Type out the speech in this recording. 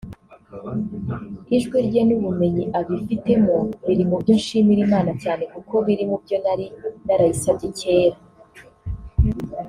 Ijwi rye n’ubumenyi abifitemo biri mu byo nshimira Imana cyane kuko biri mu byo nari narayisabye cyera